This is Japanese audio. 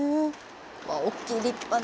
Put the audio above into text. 大きい立派な。